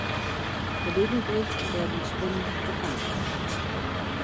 Gelegentlich werden Spinnen gefangen.